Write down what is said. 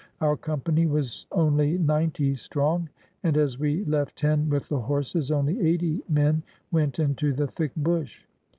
Our company was only ninety strong, and, as we left ten with the horses, only eighty men went into the thick bush.